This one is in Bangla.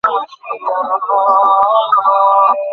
জননী সন্তানকে সযত্নে লালন করিতেছেন।